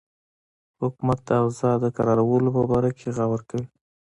حکومت د اوضاع د کرارولو په باره کې غور کوي.